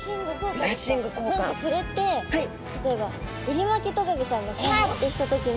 何かそれって例えばエリマキトカゲちゃんがシャー！ってした時の。